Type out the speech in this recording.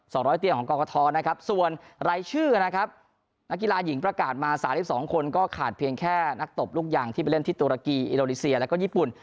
ร้อยเตียงของกรกฐนะครับส่วนรายชื่อนะครับนักกีฬาหญิงประกาศมาสามสิบสองคนก็ขาดเพียงแค่นักตบลูกยางที่ไปเล่นที่ตุรกีอินโดนีเซียแล้วก็ญี่ปุ่น